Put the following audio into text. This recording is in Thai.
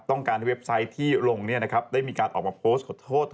ต้องการที่เว็บไซต์ที่ลงเนี่ยนะครับได้มีการออกมาโพสต์ขอโทษเธอ